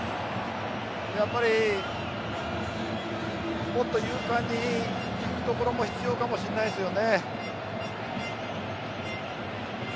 やっぱり、もっと勇敢にいくところも必要かもしれないですよね。